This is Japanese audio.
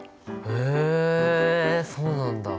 へえそうなんだ。